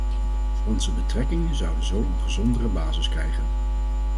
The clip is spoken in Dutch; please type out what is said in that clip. Onze betrekkingen zouden zo een gezondere basis krijgen.